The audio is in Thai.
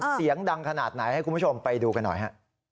เสียงดังขนาดไหนให้คุณผู้ชมไปดูกันหน่อยฮะ